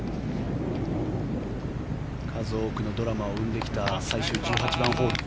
数多くのドラマを生んできた最終１８番ホール。